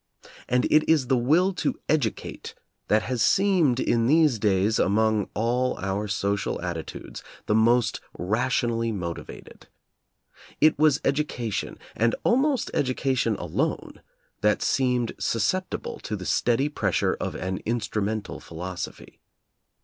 And it is the will to educate that has seemed, in these days, among all our social atti tudes the most rationally motivated. It was edu cation, and almost education alone, that seemed susceptible to the steady pressure of an "instru mental" philosophy.